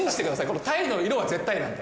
このタイの色は絶対なんで。